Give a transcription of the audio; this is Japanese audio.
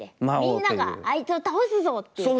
「みんながあいつを倒すぞ！」っていう感じ。